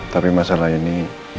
tapi masalah ini